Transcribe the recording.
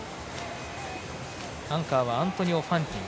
アンカーはアントニオ・ファンティン。